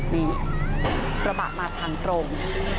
นี่กระบะมาทางตรง